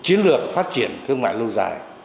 chiến lược phát triển thương mại lâu dài